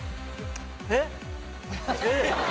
えっ？